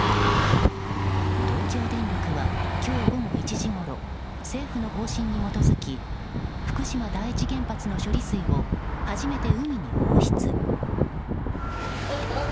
東京電力は今日午後１時ごろ政府の方針に基づき福島第一原発の処理水を初めて海に放出。